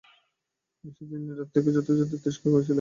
সেদিন নীরদ তাকে যথোচিত তিরস্কার করেছিল।